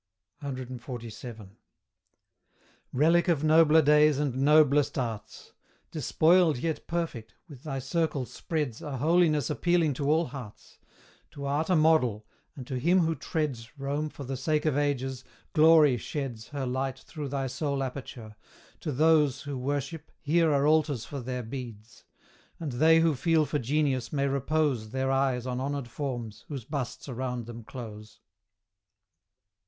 CXLVII. Relic of nobler days, and noblest arts! Despoiled yet perfect, with thy circle spreads A holiness appealing to all hearts To art a model; and to him who treads Rome for the sake of ages, Glory sheds Her light through thy sole aperture; to those Who worship, here are altars for their beads; And they who feel for genius may repose Their eyes on honoured forms, whose busts around them close.